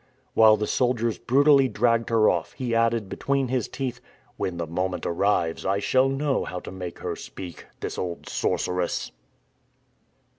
While the soldiers brutally dragged her off, he added between his teeth, "When the moment arrives I shall know how to make her speak, this old sorceress!"